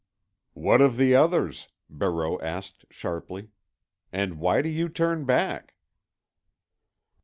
"What of the others?" Barreau asked sharply. "And why do you turn back?"